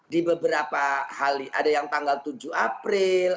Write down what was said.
di beberapa hal ada yang tanggal tujuh april